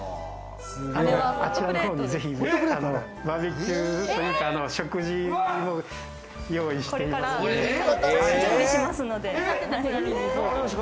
あちらの方にぜひ、バーベキューというか、食事を用意してますので。